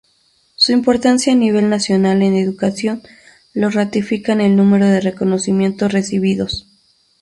Su importancia a nivel nacional en educación, lo ratifican el número de reconocimientos recibidos.